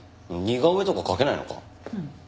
似顔絵とか描けないのか？